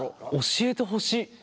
教えてほしい。